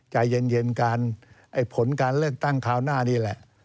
ใจเย็นกันผลการเลือกตั้งคราวหน้านี่แหละ